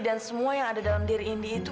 dan semua yang ada dalam diri indi itu